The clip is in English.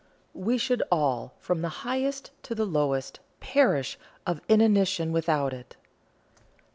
We should all, from the highest to the lowest, perish of inanition without it."